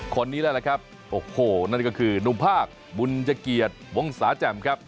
คนนี้แล้วล่ะครับโอ้โหนั่นก็คือนุ่มภาคบุญจเกียรติวงศาแจ่มครับ